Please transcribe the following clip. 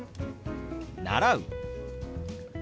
「習う」。